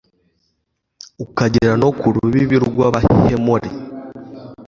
ukagera no ku rubibi rw'abahemori